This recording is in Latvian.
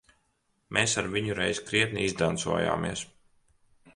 Mēs ar viņu reiz krietni izdancojāmies.